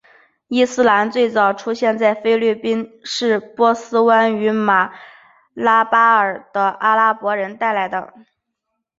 伊斯兰最早出现在菲律宾是波斯湾与马拉巴尔的阿拉伯人带来。